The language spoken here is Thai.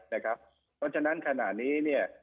เพราะฉะนั้นขนาดนี้